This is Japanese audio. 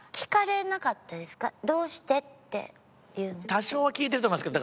多少は聞いてると思いますけど。